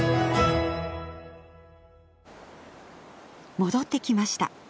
戻ってきました。